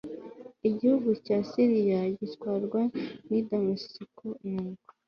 igihugu cy i Siriya gitwarwa n i Damasiko nuko